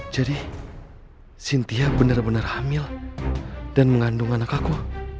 jadi sintia benar benar hamil dan mengandung anak aku